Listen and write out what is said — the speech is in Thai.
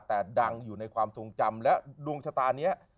แต่ดังอยู่ในความทรงจำและดวงชะตานี้